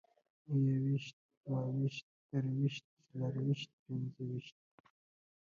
يوويشت، دوه ويشت، درویشت، څلرويشت، پنځه ويشت